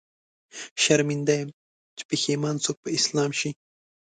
شرمنده يم، چې پښېمان څوک په اسلام شي